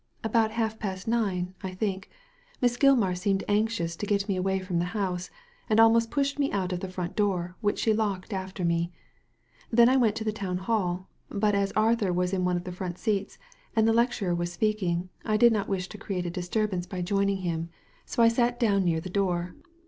"About half past nine, I think. Miss Gilmar seemed anxious to get me away from the house, and almost pushed me out of the front door, which she locked after me. I then went to the Town Hall ; but as Arthur was in one of the front seats, and the lecturer was speaking, I did not wish to create a disturbance by joining him, so I sat down near Digitized by Google i8o THE LADY FROM NOWHERE the door.